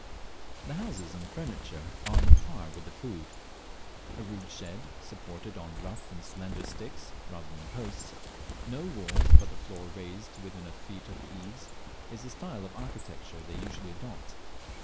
The houses and furniture are on a par with the food. A rude shed, supported on rough and slender sticks rather than posts, no walls, but the floor raised to within a foot of the eaves, is the style of architecture they usually adopt.